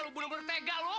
lu bulu bertega lu